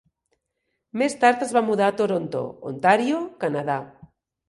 Més tard es va mudar a Toronto, Ontario, Canadà.